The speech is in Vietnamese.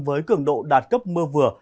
với cường độ đạt cấp mưa vừa